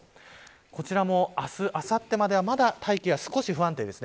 こちらも、明日、あさってまではまだ大気が少し不安定です。